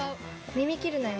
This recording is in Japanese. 耳切るなよ。